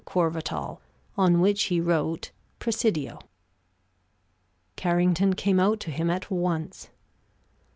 Courvatal," on which he wrote, "Presidio." Carrington came out to him at once.